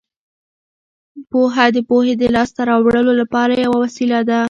پوهه د پوهې د لاسته راوړلو لپاره یوه وسیله ده.